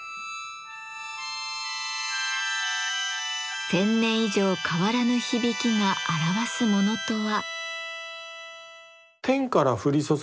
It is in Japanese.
１，０００年以上変わらぬ響きが表すものとは？